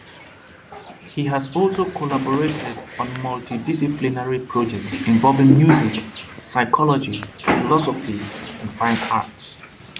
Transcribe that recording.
He has also collaborated on multi-disciplinary projects involving music, psychology, philosophy, and fine arts.